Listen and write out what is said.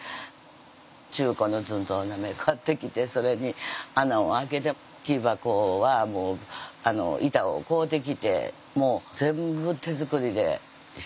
中古のずんどう鍋買ってきてそれに穴を開けて木箱はもう板を買うてきて全部手作りでしてきたんですよ。